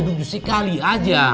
tunggu sekali aja